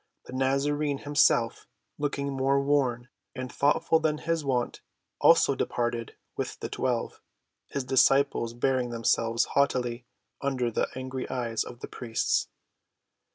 The Nazarene himself, looking more worn and thoughtful than his wont, also departed with the twelve, his disciples bearing themselves haughtily under the angry eyes of the priests.